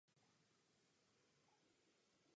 Neslyšel jsem nic o možnosti výjimek v této oblasti.